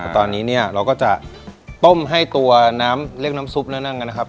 ตอนนี้เนี่ยเราก็จะต้มให้ตัวน้ำเรียกน้ำซุปแล้วนั่งกันนะครับ